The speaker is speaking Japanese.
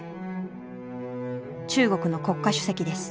中国の国家主席です。